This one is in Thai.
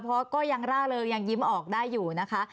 เพราะก็ยังร่าเริงยังยิ้มออกได้อยู่นะคะ